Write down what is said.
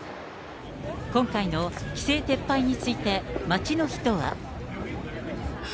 今回の規制撤廃について、街の人は。